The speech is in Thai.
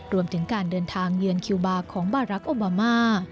รวมถึงการเดินทางเยือนคิวบาร์ของบารักษ์โอบามา